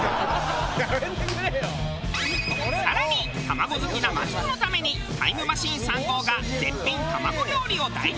さらに卵好きなマツコのためにタイムマシーン３号が絶品卵料理を大調査！